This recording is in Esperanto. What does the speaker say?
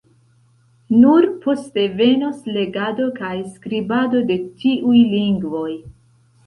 Nur poste venos legado kaj skribado de tiuj lingvoj.